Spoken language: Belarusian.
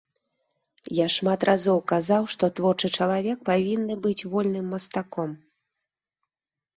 Я шмат разоў казаў, што творчы чалавек павінны быць вольным мастаком.